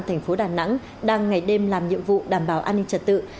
thành phố đà nẵng đang ngày đêm làm nhiệm vụ đảm bảo an ninh trật tự